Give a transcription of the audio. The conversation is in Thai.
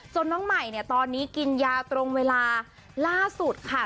น้องใหม่เนี่ยตอนนี้กินยาตรงเวลาล่าสุดค่ะ